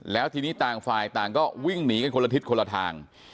แล้วทีนี้ต่างฝ่ายต่างก็วิ่งหนีกันคนละทิศคนละทาง